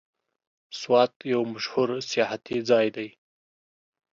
سوات یو مشهور سیاحتي ځای دی.